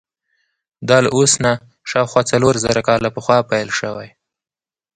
دا له اوس نه شاوخوا څلور زره کاله پخوا پیل شوی.